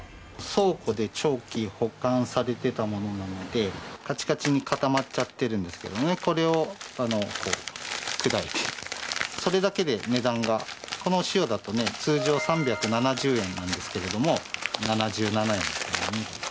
倉庫で長期保管されてたものなので、かちかちに固まっちゃってるんですけどね、これを砕いて、それだけで値段が、このお塩だとね、通常３７０円なんですけれども、７７円ですからね。